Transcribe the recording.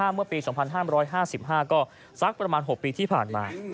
เมื่อปี๒๕๕๕ก็สักประมาณ๖ปีที่ผ่านมา